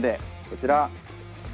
こちら。